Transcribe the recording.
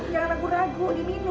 jangan ragu ragu diminum